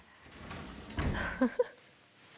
フフフ。